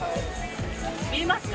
見えますか？